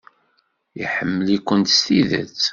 Iḥemmel-ikent s tidet.